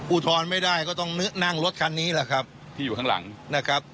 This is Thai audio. อุทธรณ์ไม่ได้ก็ต้องนั่งรถคันนี้แหละครับที่อยู่ข้างหลังนะครับ